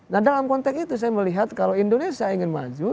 nah dalam konteks itu saya melihat kalau indonesia ingin maju